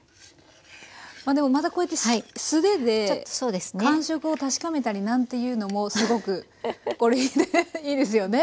でもまたこうやって素手で感触を確かめたりなんていうのもすごくいいですよね。